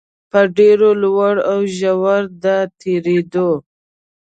په ډېرو لوړو او ژورو د تېرېدو